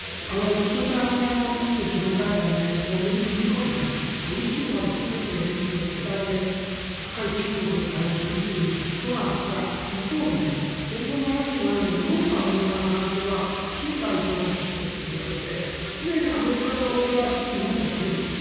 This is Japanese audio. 今年初めの日米首脳会談でより踏み込んで宇宙まで含めて日米一体で対中国へ対応するということなんですが一方で、戦後７７年日本とアメリカの関係は非対称のシステムといわれて常にアメリカがオーダーして日本が受けるという。